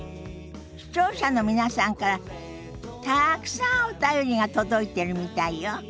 視聴者の皆さんからたくさんお便りが届いてるみたいよ。